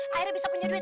akhirnya bisa punya duit